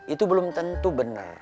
itu belum tentu bener